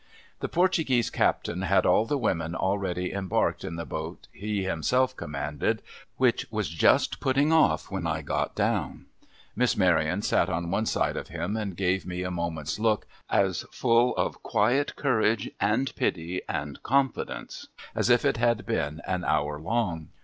The Portuguese Captain had all the women already embarked in the boat he himself commanded, which was just putting off when I got down. Miss Maryon sat on one side of him, and gave me a moment's look, as full of quiet courage, and pity, and confidence, as if it had been an hour long.